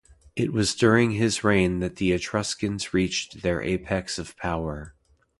It was during his reign that the Etruscans reached their apex of power.